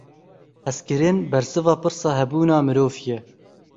Hezkirin; bersiva pirsa hebûna mirovî ye.